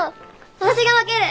私が分ける！